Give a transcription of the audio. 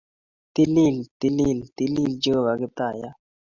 Tilil! TiliI! Tilil! Jehovah Kiptaiyat!